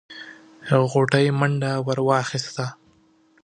غوټۍ منډه ور واخيسته.